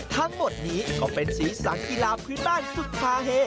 ทั้งหมดนี้ก็เป็นสีสันกีฬาพื้นบ้านสุดฮาเฮ